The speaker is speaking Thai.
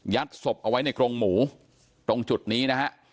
ศพเอาไว้ในกรงหมูตรงจุดนี้นะฮะ